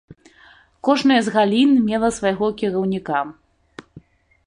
Кожная з галін мела свайго кіраўніка.